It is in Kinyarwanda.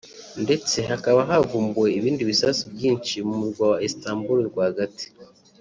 ndetse hakaba havumbuwe ibindi bisasu byinshi mu murwa wa Istanbul rwagati